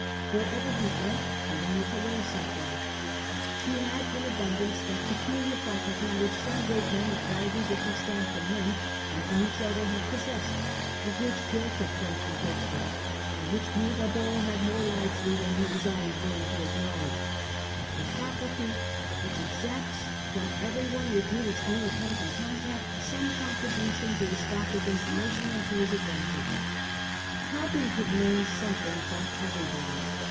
Wherever he went he wanted to learn something. He had in abundance that peculiar faculty which some great men of widely different stamp from him and from each other have possessed ; of which Goethe frankly boasted, and which Mirabeau had more largely than he was always willing to acknowledge ; the faculty which exacts from everyone with whom its owner comes into contact some contribution to his stock of information and to his advantage. Cob den could learn something from everybody.